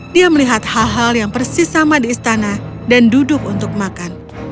dia melihat hal hal yang persis sama di istana dan duduk untuk makan